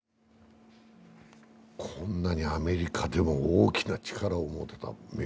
こんなにアメリカでも大きな力を持ってた。